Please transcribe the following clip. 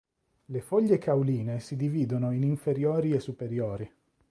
Le foglie cauline si dividono in inferiori e superiori.